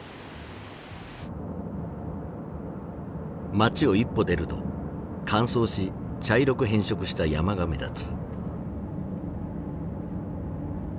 街を一歩出ると乾燥し茶色く変色した山が目立つ。